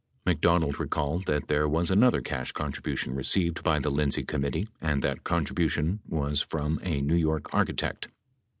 McDonald recalled that there was another cash con tribution received by the Lindsay committee and that contribution was from a New York architect.